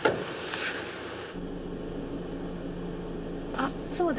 あそうだ。